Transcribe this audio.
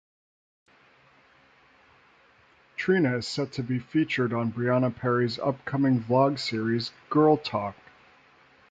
Trina is set to be featured on Brianna Perry's upcoming vlog series, "Girl Talk".